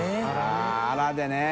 ◆舛あらでね。